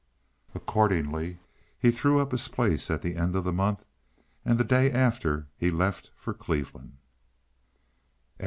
Accordingly, he threw up his place at the end of the month, and the day after he left for Cleveland.